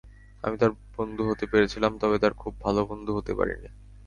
আমি তার বন্ধু হতে পেরেছিলাম তবে তার খুব ভাল বন্ধু হতে পারি নি।